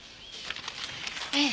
ええ。